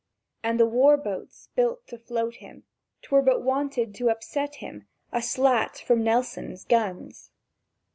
And the war boats built to float him; 'twere but wanted to upset him A slat from Nelson's guns!